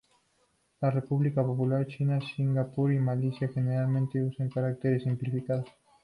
La República Popular China, Singapur y Malasia generalmente usan caracteres simplificados.